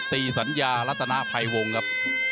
ภันเตรียมตีสัญญาลัธนภัยวงนะครับ